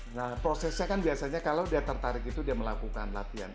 nah prosesnya kan biasanya kalau dia tertarik itu dia melakukan latihan